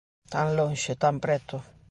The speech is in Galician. Tan lonxe, tan preto.